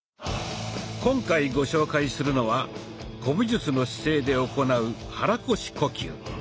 今回ご紹介するのは古武術の姿勢で行う肚腰呼吸。